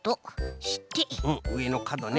うんうえのかどね。